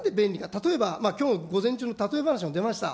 例えば、きょうの午前中にたとえ話が出ました。